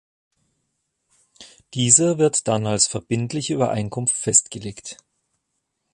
Dieser wird dann als verbindliche Übereinkunft festgelegt.